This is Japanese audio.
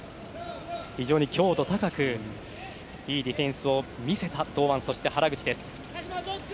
非常に強度高くいいディフェンスを見せた堂安、そして原口です。